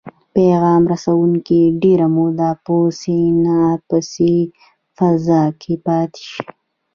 پیغام رسوونکي ډیره موده په سیناپسي فضا کې پاتې شي.